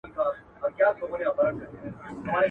او دريځ سټېج چېري چي نارینوو